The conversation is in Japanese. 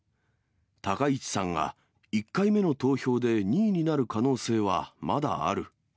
高市さんが１回目の投票で２位になる可能性はまだある。